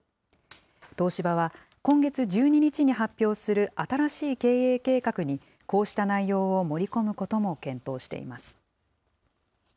東芝は、今月１２日に発表する新しい経営計画にこうした内容を盛り込むことも検討しています。